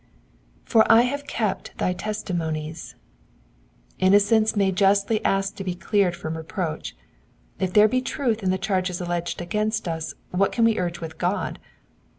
^^For I have kept thy testimonies.'*'^ Innocence may justly ask to be cleared from reproach. If there be truth in the charges alleged against us what can we urge with God